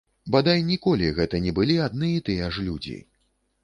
Бадай ніколі гэта не былі адны і тыя ж людзі.